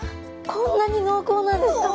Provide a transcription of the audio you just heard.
こんなに濃厚なんですか？